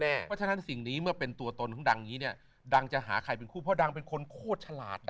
เพราะฉะนั้นสิ่งนี้เมื่อเป็นตัวตนของดังอย่างนี้เนี่ยดังจะหาใครเป็นคู่เพราะดังเป็นคนโคตรฉลาด